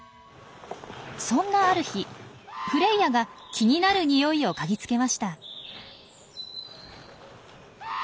そんなある日フレイヤが気になるにおいを嗅ぎつけました。